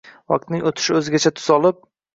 Vaqtning o‘tishi o‘zgacha tus olib